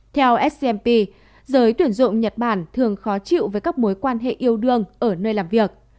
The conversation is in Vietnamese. theo smp giới tuyển dụng nhật bản thường khó chịu với các mối quan hệ yêu đương ở nơi làm việc